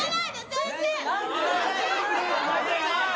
先生！